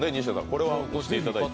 これはしていただいて。